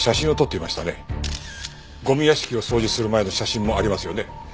ゴミ屋敷を掃除する前の写真もありますよね？